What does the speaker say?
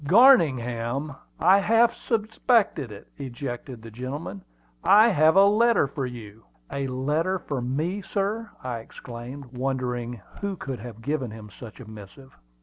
"Garningham! I half suspected it!" ejaculated the gentleman. "I have a letter for you." "A letter for me, sir!" I exclaimed, wondering who could have given him such a missive.